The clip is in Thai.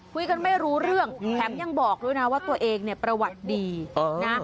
คุยกันไม่รู้เรื่องแถมยังบอกด้วยนะว่าตัวเองเนี่ยประวัติดีนะ